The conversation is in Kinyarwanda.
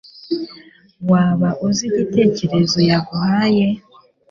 Waba uzi igitekerezo yaguhaye?